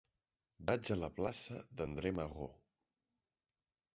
Vaig a la plaça d'André Malraux.